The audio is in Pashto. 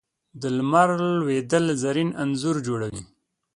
د لمر لوېدل زرین انځور جوړوي